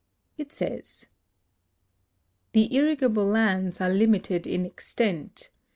It says: " The irritable land? are limited in extent.